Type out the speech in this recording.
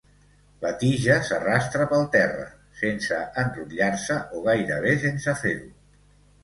La tija s'arrastra pel terra, sense enrotllar-se, o gairebé sense fer-ho.